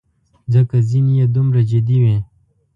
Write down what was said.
ځکه ځینې یې دومره جدي وې.